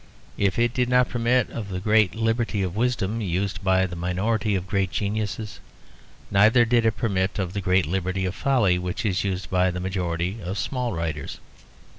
If it did not permit of the great liberty of wisdom used by the minority of great geniuses, neither did it permit of the great liberty of folly which is used by the majority of small writers.